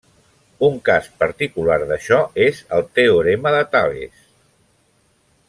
Un cas particular d'això és el teorema de Tales.